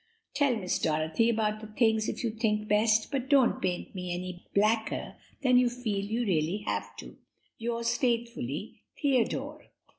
Tell Miss Dorothy all about things if you think best, but don't paint me any blacker than you feel you really have to. "'Yours faithfully, "'Theodore.'"